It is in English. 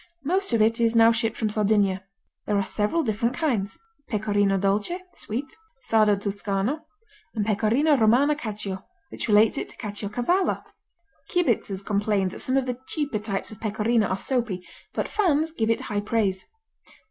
Most of it is now shipped from Sardinia. There are several different kinds: Pecorino Dolce (sweet), Sardo Tuscano, and Pecorino Romano Cacio, which relates it to Caciocavallo. Kibitzers complain that some of the cheaper types of Pecorino are soapy, but fans give it high praise.